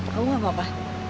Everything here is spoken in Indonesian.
kamu gak apa apa